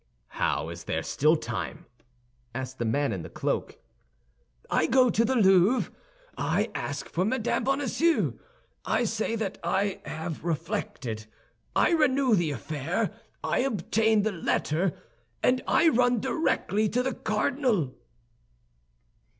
"How is there still time?" asked the man in the cloak. "I go to the Louvre; I ask for Mme. Bonacieux; I say that I have reflected; I renew the affair; I obtain the letter, and I run directly to the cardinal."